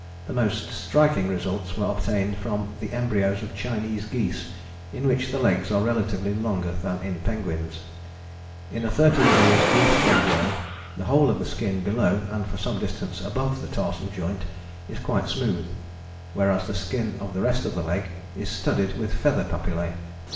The most striking results were obtained from the embryos of Chinese geese in which the legs are relatively longer than in penguins. In a 13 days goose embryo the whole of the skin below and for some distance above the tarsal joint is quite smooth, whereas the skin of the rest of the leg is studded with feather papillae.